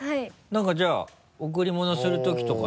何かじゃあ贈り物する時とかに。